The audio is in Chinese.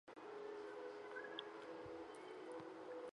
埃尔夫河畔圣乔治。